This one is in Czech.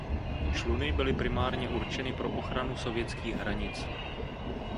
Čluny byly primárně určeny pro ochranu sovětských hranic.